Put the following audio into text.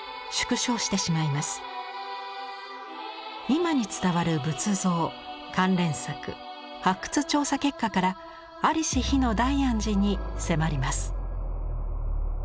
今に伝わる仏像関連作発掘調査結果から在りし日の大安寺に迫ります。